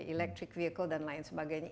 electric vehicle dan lain sebagainya